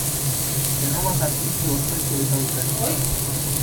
Erromatar hiri ospetsua izan zen.